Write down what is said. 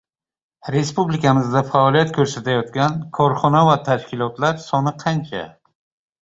Respublikamizda faoliyat ko‘rsatayotgan korxona va tashkilotlar soni qancha?